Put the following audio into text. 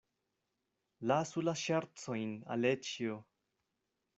Lasu la ŝercojn, Aleĉjo!